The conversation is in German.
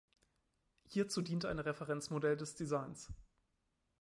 Hierzu dient ein Referenzmodell des Designs.